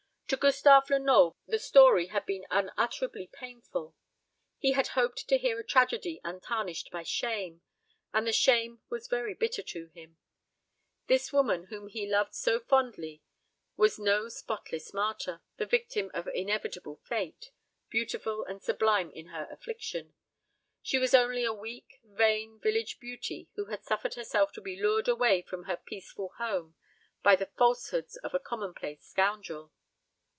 To Gustave Lenoble the story had been unutterably painful. He had hoped to hear a tragedy untarnished by shame, and the shame was very bitter to him. This woman whom he loved so fondly was no spotless martyr, the victim of inevitable fate, beautiful and sublime in her affliction. She was only a weak vain, village beauty who had suffered herself to be lured away from her peaceful home by the falsehoods of a commonplace scoundrel.